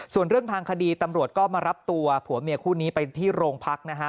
ส่วนเรื่องทางคดีตำรวจก็มารับตัวผัวเมียคู่นี้ไปที่โรงพักนะฮะ